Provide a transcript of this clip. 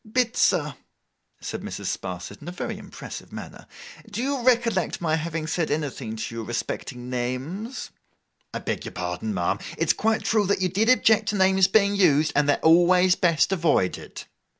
'Bitzer,' said Mrs. Sparsit, in a very impressive manner, 'do you recollect my having said anything to you respecting names?' 'I beg your pardon, ma'am. It's quite true that you did object to names being used, and they're always best avoided.